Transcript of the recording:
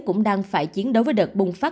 cũng đang phải chiến đấu với đợt bùng phát